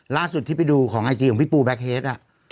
ล่าสุดที่ไปดูของไอจีของพี่ปูแบ็คเฮส